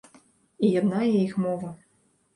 І яднае іх мова.